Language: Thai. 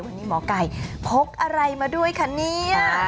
วันนี้หมอไก่พกอะไรมาด้วยคะเนี่ย